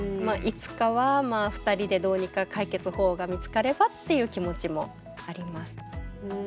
いつかは２人でどうにか解決法が見つかればっていう気持ちもあります。